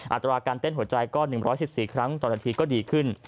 อัตราการเต้นหัวใจก็๑๑๔ครั้งต่อนาทีก็ดีขึ้น